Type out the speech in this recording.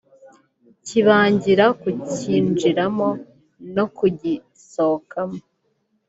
kibangira ku cyinjiramo no kugisohokamo